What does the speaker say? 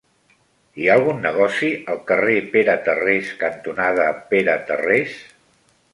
Hi ha algun negoci al carrer Pere Tarrés cantonada Pere Tarrés?